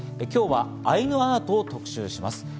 今日はアイヌアートを特集します。